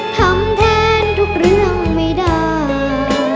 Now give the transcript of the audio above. ทำแทนทุกเรื่องไม่ได้